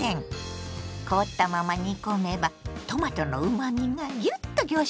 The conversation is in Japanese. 凍ったまま煮込めばトマトのうまみがギュッと凝縮されるわよ。